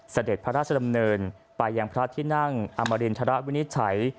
เสด็จพระราชดำเนินไปยังพระที่นั่งอมรินทรวินิจฉัย